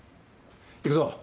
行くぞ。